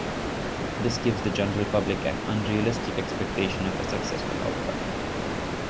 This gives the general public an unrealistic expectation of a successful outcome.